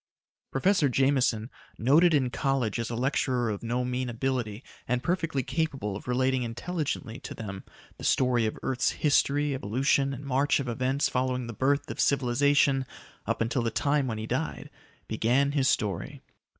Professor Jameson, noted in college as a lecturer of no mean ability and perfectly capable of relating intelligently to them the story of the earth's history, evolution and march of events following the birth of civilization up until the time when he died, began his story.